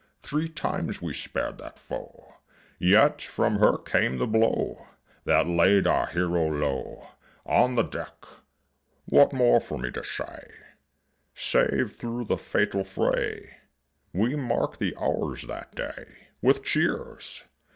Three times we spared that foe, Yet from her came the blow That laid our hero low On the deck. What more for me to say, Save thro' the fatal fray We marked the hours that day With cheers!